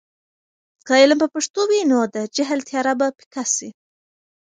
که علم په پښتو وي، نو د جهل تیاره به پیکه سي.